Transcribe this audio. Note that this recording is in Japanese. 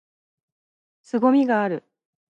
凄みがある！！！！